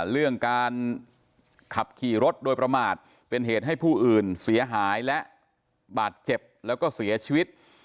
เรื่องการขับขี่รถโดยประมาทเป็นเหตุให้ผู้อื่นเสียหายและบาดเจ็บแล้วก็เสียชีวิต